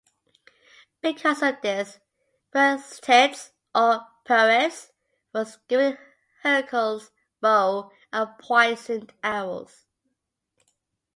Because of this, Philoctetes or Poeas was given Heracles' bow and poisoned arrows.